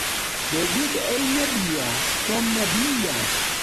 دەیگوت: ئەی نەبیە، تۆم نەبییە